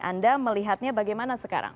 anda melihatnya bagaimana sekarang